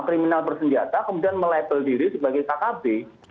kriminal bersenjata kemudian melabel diri sebagai kkb